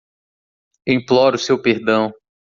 Eu imploro seu perdão.